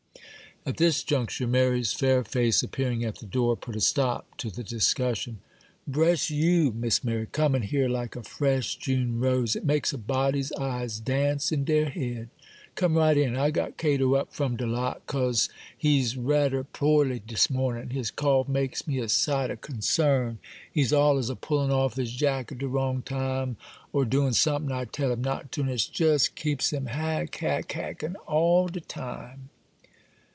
At this juncture, Mary's fair face appearing at the door put a stop to the discussion. 'Bress you, Miss Mary! comin' here like a fresh June rose! it makes a body's eyes dance in deir head! Come right in! I got Cato up from de lot, 'cause he's rader poorly dis mornin'; his cough makes me a sight o' concern; he's allers a pullin' off his jacket de wrong time, or doin' sometin' I tell him not to,—and it just keeps him hack, hack, hackin', all de time.